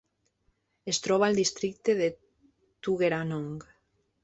Es troba al districte de Tuggeranong.